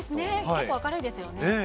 結構明るいですよね。